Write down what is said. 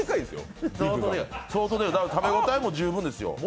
食べ応えも十分ですよ